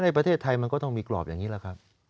ประเทศไทยมันก็ต้องมีกรอบอย่างนี้แหละครับ